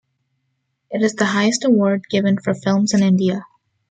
It is the highest award given for films in India.